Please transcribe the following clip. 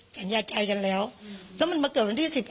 สัญญาใจกันแล้วแล้วมันมาเกิดวันที่๑๑